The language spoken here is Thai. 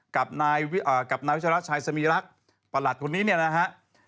กับนายวัชราชัยสมีรักษ์ประหลัดคนนี้เนี่ยนะฮะ